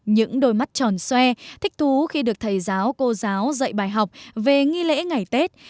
những đôi mắt tròn xoay thích thú khi được thầy giáo cô giáo dạy bài học về nghi lễ ngày tết